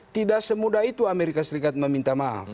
tidak semudah itu amerika serikat meminta maaf